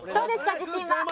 自信は。